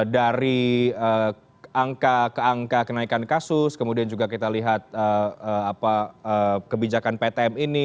dari angka ke angka kenaikan kasus kemudian juga kita lihat kebijakan ptm ini